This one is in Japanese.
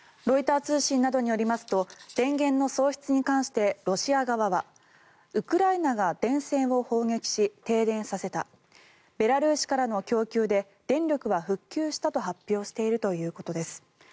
ロイター通信などによりますと電源の喪失に関してロシア側はウクライナが電線を砲撃し停電させたベラルーシからの供給で電力は復旧したと発表しているということです。